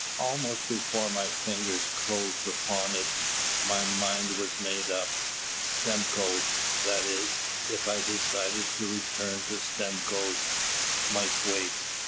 Almost before my fingers closed upon it my mind was made up. Stimcoe's that is, if I decided to return to Stimcoe's might wait.